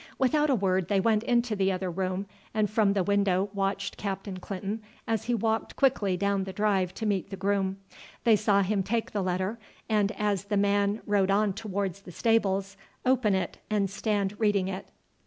Without a word they went into the other room, and from the window watched Captain Clinton as he walked quickly down the drive to meet the groom. They saw him take the letter, and, as the man rode on towards the stables, open it and stand reading it.